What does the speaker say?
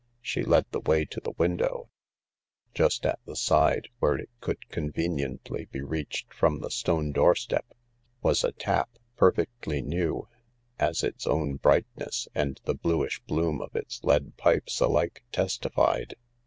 She led the way to the window ; just at the side, where it could conveniently be reached from the stone doorstep, was a tap, perfectly new, as its own brightness and the bluish bloom of its lead pipes alike testified.